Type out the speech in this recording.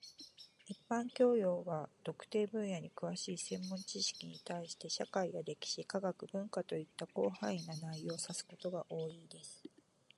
一般教養 （general knowledge） は、特定分野に詳しい専門知識に対して、社会や歴史、科学、文化といった広範な内容を指すことが多いです。